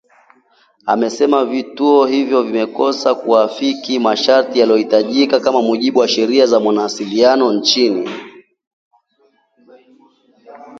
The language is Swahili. amesema vituo hivyo vimekosa kuafikia masharti yanayohitajika kwa mujibu wa sheria za mawasiliano nchini